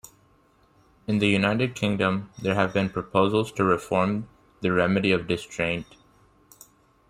In the United Kingdom, there have been proposals to reform the remedy of distraint.